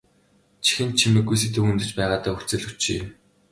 Чихэнд чимэггүй сэдэв хөндөж байгаадаа хүлцэл өчье.